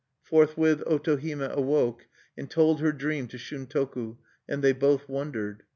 Forthwith Otohime awoke, and told her dream to Shuntoku, and they both wondered.